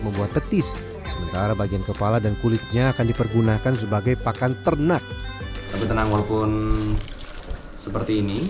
membuat petis sementara bagian kepala dan kulitnya akan dipergunakan sebagai pakan ternak seperti ini